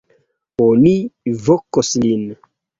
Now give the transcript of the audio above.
Oni vokos lin.